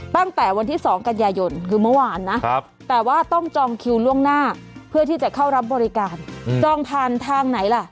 ตั้งแต่วันที่๒กันยายนคือเมื่อวานนะแต่ว่าต้องจองคิวล่วงหน้าเพื่อที่จะเข้ารับบริการจองผ่านทางไหนล่ะ